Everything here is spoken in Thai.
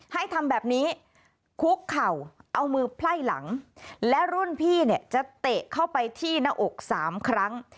ให้ทำแบบนี้คุกเข่าเอามือไพ่หลังและรุ่นพี่เนี่ยจะเตะเข้าไปที่หน้าอกสามครั้ง